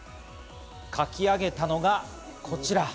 描きあげたのがこちら。